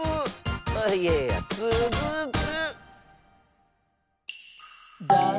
いやいやつづく！